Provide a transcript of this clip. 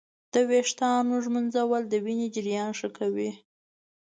د ویښتانو ږمنځول د وینې جریان ښه کوي.